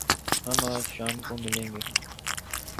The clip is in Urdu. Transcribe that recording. ہم آج شام کو ملیں گے